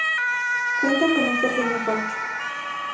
Cuenta con un pequeño parque.